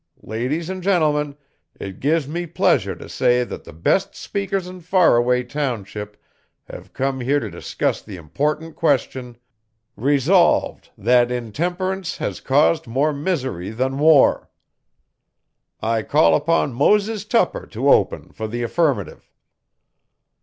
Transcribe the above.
Ladies and gentlemen, it gives me pleasure t' say that the best speakers in Faraway township have come here t' discuss the important question: 'Resolved, that intemperance has caused more misery than war? 'I call upon Moses Tupper to open for the affirmative.'